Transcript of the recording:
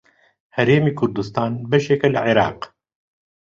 هەرێمی کوردستان بەشێکە لە عێراق.